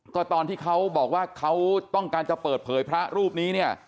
ก็ตอนที่เขาบอกว่าเขาต้องการจะเปิดเผยพระรูปนี้เนี่ย